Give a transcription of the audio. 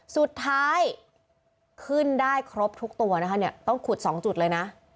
สุดท้ายขึ้นได้ครบทุกตัวนะคะเนี่ยต้องขุด๒จุดเลยนะ